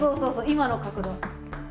今の角度。